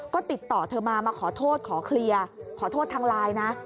ก็ติดต่อเธอมามาขอโทษขอเคลียร์ขอโทษทางไลน์นะ